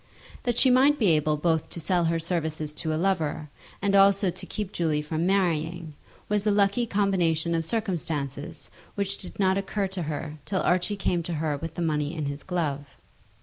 That she might be able both to sell her services to a lover, and also to keep Julie from marrying, was a lucky combination of circumstances which did not occur to her till Archie came to her with the money in his glove.